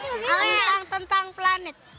apa yang kamu tahu tentang planet